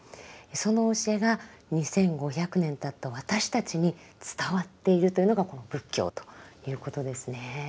その教えが２，５００年たった私たちに伝わっているというのがこの仏教ということですね。